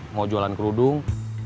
mau jualan kerudung